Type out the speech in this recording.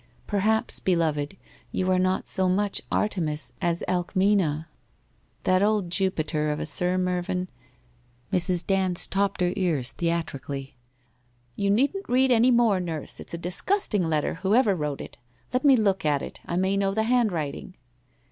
Perhaps, beloved, you are not so much Artemis as Alcmena? That old Jupiter of a Sir Mervyn ' Mrs. Dand stopped her ears theatrically. ' You needn't read any more, Nurse, it's a disgusting letter, whoever wrote it ! Let ine look at it. I may know the handwriting?